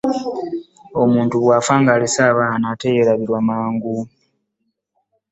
Omuntu bwafa nga alese abaana ateyerabirwa mangu .